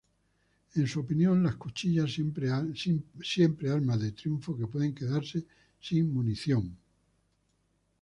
En su opinión, las cuchillas siempre armas de triunfo que pueden quedarse sin munición.